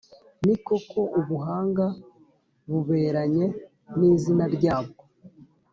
Ni koko, ubuhanga buberanye n’izina ryabwo